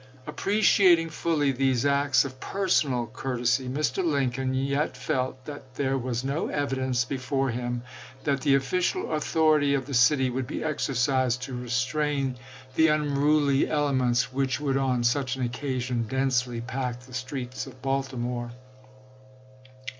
Appreciating fully these acts of personal courtesy, Mr. Lincoln yet felt that there was no evidence before him that the official au thority of the city would be exercised to restrain LINCOLN'S SECRET NIGHT JOURNEY 309 the unruly elements which would on such an occa chap. xx. sion densely pack the streets of Baltimore.